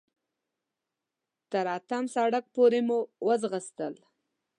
تر اتم سړک پورې مو وځغاستل.